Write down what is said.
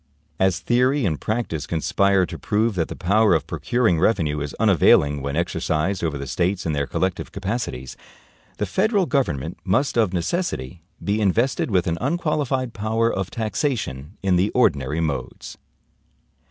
As theory and practice conspire to prove that the power of procuring revenue is unavailing when exercised over the States in their collective capacities, the federal government must of necessity be invested with an unqualified power of taxation in the ordinary modes.